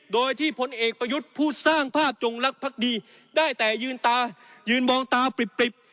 โดยที่พลเอกประยุทธ์ผู้สร้างภาพจงลักษ์ดีได้แต่ยืนตายืนมองตาปริบ